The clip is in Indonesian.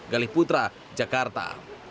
galih putra jakarta